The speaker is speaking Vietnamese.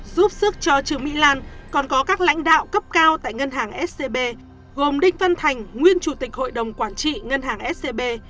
giúp sức cho trương mỹ lan còn có các lãnh đạo cấp cao tại ngân hàng scb gồm đinh văn thành nguyên chủ tịch hội đồng quản trị ngân hàng scb